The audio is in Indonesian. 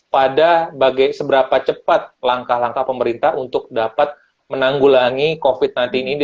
pada seberapa cepat langkah langkah pemerintah untuk dapat menanggulangi covid sembilan belas ini